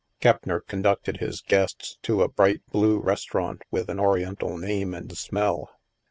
Keppner conducted his guests to a bright blue restaurant with an Oriental name and smell.